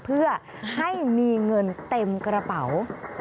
เพื่อให้มีเงินเต็มกระเป๋า